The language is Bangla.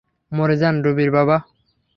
মরে যান, রুবির বাবা!